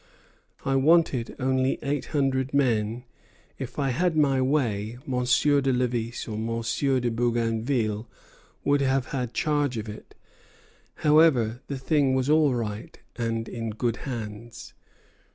I wanted only eight hundred men. If I had had my way, Monsieur de Lévis or Monsieur de Bougainville would have had charge of it. However, the thing was all right, and in good hands.